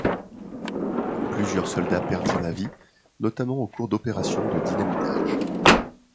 Plusieurs soldats perdirent la vie, notamment au cours d'opérations de dynamitage.